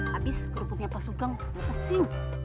habis kerupuknya pak sugeng lepas sih